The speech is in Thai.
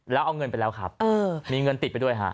แล้วเอาเงินไปแล้วครับมีเงินติดไปด้วยฮะ